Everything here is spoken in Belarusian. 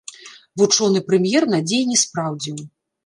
Вучоны прэм'ер надзей не спраўдзіў.